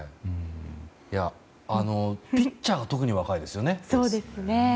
ピッチャーが特に若いですよね。